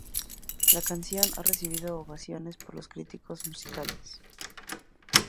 La canción ha recibido ovaciones por los críticos musicales.